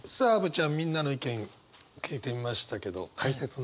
ちゃんみんなの意見聞いてみましたけど解説の方。